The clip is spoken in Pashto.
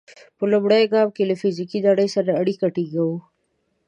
په لومړي ګام کې له فزیکي نړۍ سره اړیکه ټینګوو.